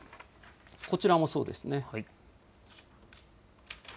こちらもそうですね。